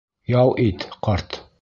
Ял ит, ҡарт.